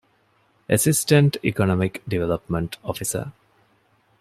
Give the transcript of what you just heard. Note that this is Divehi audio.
އެސިސްޓެންޓް އިކޮނޮމިކް ޑިވެލޮޕްމަންޓް އޮފިސަރ